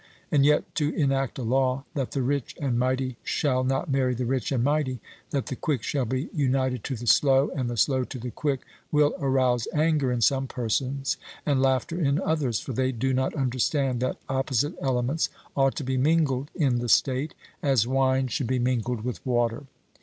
And yet to enact a law that the rich and mighty shall not marry the rich and mighty, that the quick shall be united to the slow, and the slow to the quick, will arouse anger in some persons and laughter in others; for they do not understand that opposite elements ought to be mingled in the state, as wine should be mingled with water.